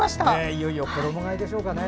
いよいよ衣がえでしょうかね。